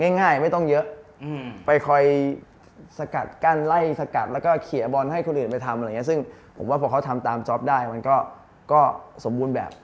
ง่ายไม่ต้องเยอะไปคอยสกัดกั้นไล่สกัดแล้วก็เคลียร์บอลให้คนอื่นไปทำอะไรอย่างนี้ซึ่งผมว่าพอเขาทำตามจ๊อปได้มันก็สมบูรณ์แบบ